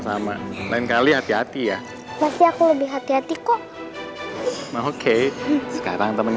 sama lain kali hati hati ya pasti aku lebih hati hati kok oke sekarang temen